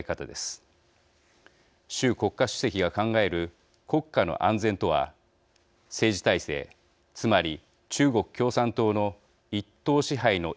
習国家主席が考える国家の安全とは政治体制つまり中国共産党の一党支配の維持を意味します。